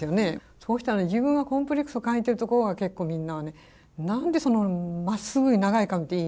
そうしたら自分がコンプレックスを感じてるところが結構みんなはね何でそのまっすぐに長い髪っていいのって言うわけですね。